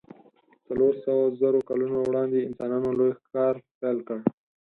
څلور سوو زرو کلونو وړاندې انسانانو لوی ښکار پیل کړ.